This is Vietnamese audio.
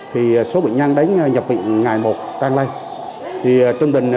thì số bệnh nhân đến nhập viện ngày một tăng lên